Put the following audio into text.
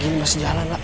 gini masih jalan la